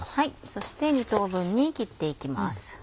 そして２等分に切っていきます。